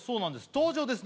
登場です